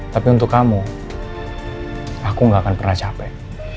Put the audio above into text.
tapi untuk kamu aku gak akan pernah capek